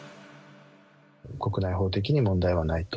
国内法的に問題はないと。